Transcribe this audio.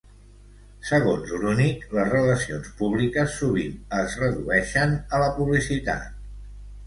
Segons Grunig, les relacions públiques sovint es redueixen a la publicitat.